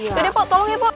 udah deh po tolong ya po